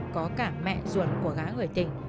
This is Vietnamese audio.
có cả mẹ ruột của gái người tình